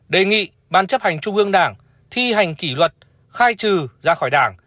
đề nghị ban chấp hành trung ương đảng thi hành kỷ luật khai trừ ra khỏi đảng